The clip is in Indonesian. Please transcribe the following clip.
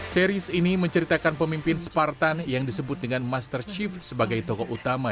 series ini menceritakan pemimpin spartan yang disebut dengan master chief sebagai tokoh utama